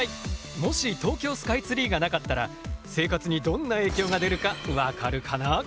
もし東京スカイツリーがなかったら生活にどんな影響が出るか分かるかな？